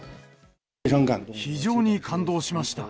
非常に感動しました。